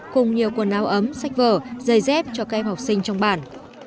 cùng nhiều quần áo ấm sách vở dây dép cho các em học sinh trong bản